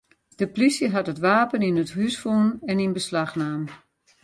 De plysje hat it wapen yn it hús fûn en yn beslach naam.